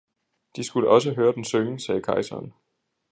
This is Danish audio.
de skulle også høre den synge, sagde kejseren.